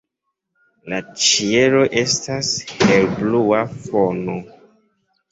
La ĉielo estas helblua fono.